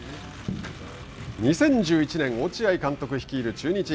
２０１１年、落合監督率いる中日。